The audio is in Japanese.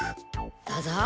どうぞ。